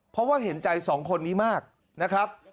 เพราะว่าเห็นใจสองคนนี้มากนะครับ